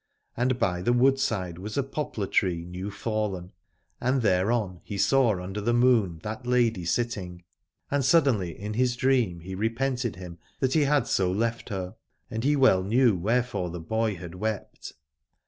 And by the woodside was a poplar tree new fallen, 91 Aladore and thereon he saw under the moon that lady sitting, and suddenly in his dream he repented him that he had so left her, and he well knew wherefore the boy had wept.